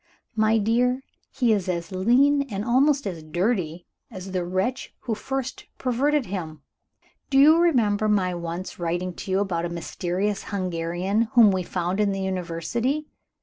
My dear, he is as lean, and almost as dirty, as the wretch who first perverted him. Do you remember my once writing to you about a mysterious Hungarian, whom we found in the University?